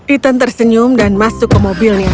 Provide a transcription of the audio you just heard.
ethan tersenyum dan masuk ke mobilnya